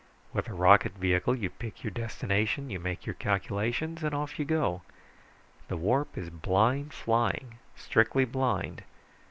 With a rocket vehicle you pick your destination, make your calculations, and off you go. The warp is blind flying, strictly blind.